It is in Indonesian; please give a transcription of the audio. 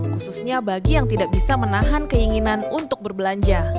khususnya bagi yang tidak bisa menahan keinginan untuk berbelanja